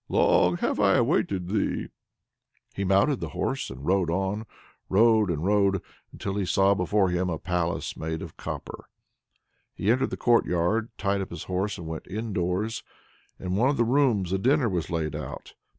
Long have I awaited thee!" He mounted the horse and rode on rode and rode, until he saw standing before him, a palace made of copper. He entered the courtyard, tied up his horse, and went indoors. In one of the rooms a dinner was laid out.